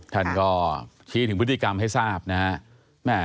ท่านก็ชี้ถึงพฤติกรรมให้ทราบนะฮะ